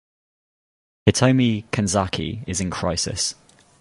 Hitomi Kanzaki is in crisis.